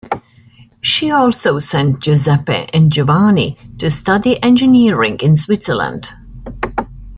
She also sent Giuseppe and Giovanni to study Engineering in Switzerland.